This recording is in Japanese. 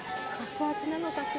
熱々なのかしら？